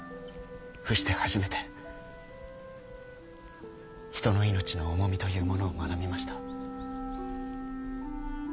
伏して初めて人の命の重みというものを学びました。